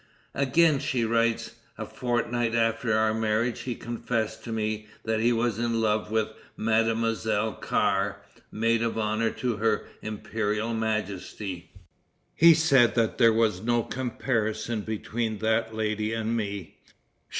Again she writes, "A fortnight after our marriage he confessed to me that he was in love with Mademoiselle Carr, maid of honor to her imperial majesty. He said that there was no comparison between that lady and me.